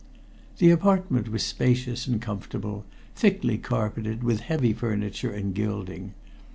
The apartment was spacious and comfortable, thickly carpeted, with heavy furniture and gilding.